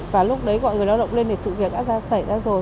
và lúc đấy gọi người lao động lên thì sự việc đã xảy ra rồi